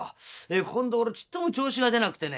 ここんところちっとも調子が出なくてね」。